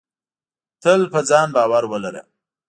تل په ځان باور ولره.